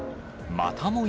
またもや